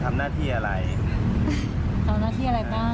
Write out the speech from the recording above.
ทำหน้าที่อะไรบ้าง